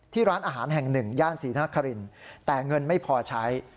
ที่ร้านอาหารแห่ง๑ย่านศรีนาคารินแต่เงินไม่พอใช้